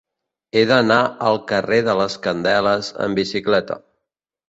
He d'anar al carrer de les Candeles amb bicicleta.